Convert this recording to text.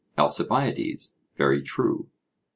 ALCIBIADES: Very true.